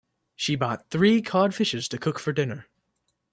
She bought three cod fishes to cook for dinner.